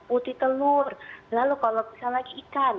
putih telur lalu kalau misalnya lagi ikan